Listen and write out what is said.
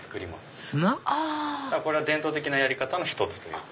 これは伝統的なやり方の１つというか。